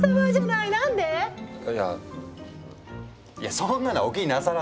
いやそんなのはお気になさらず。